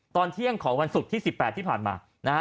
ตอนเที่ยงของวันศุกร์ที่๑๘ที่ผ่านมานะฮะ